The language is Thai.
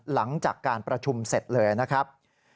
หลังจากการประชุมเสร็จเลยนะครับ